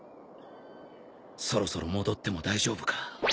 そろそろ戻っても大丈夫か。